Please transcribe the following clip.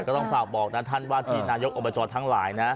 ก็ต้องฝากบอกนะท่านวาทีนายกอบจทั้งหลายนะ